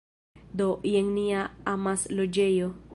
Do, jen nia amasloĝejo